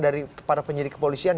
dari para penyidik kepolisian